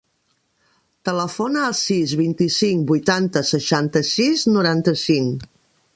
Telefona al sis, vint-i-cinc, vuitanta, seixanta-sis, noranta-cinc.